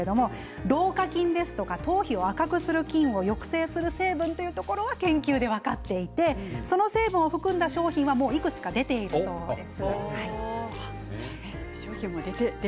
老化菌ですとか頭皮を赤くする菌を抑制する成分というところは研究で分かっていてその成分を含んだ商品はもういくつか出ているそうです。